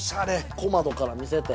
◆小窓から見せて。